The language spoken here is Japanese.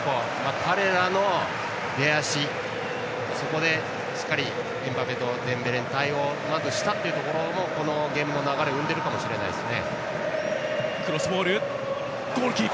彼らの出足、そこでしっかりエムバペとデンベレに対応をまずしたということもこのゲームの流れを生んでいるかもしれないですね。